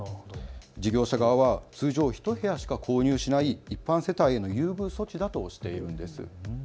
事業者側は通常１部屋しか購入できない一般世帯への優遇措置だとしているんです。